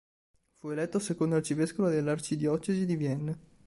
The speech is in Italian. Fu eletto secondo arcivescovo della arcidiocesi di Vienne.